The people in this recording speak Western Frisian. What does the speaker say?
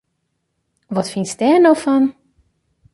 Wat fynst dêr no fan!